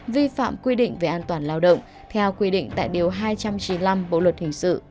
vi phạm quy định về an toàn lao động theo quy định tại điều hai trăm chín mươi năm bộ luật hình sự